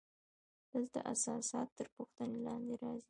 دلته اساسات تر پوښتنې لاندې راځي.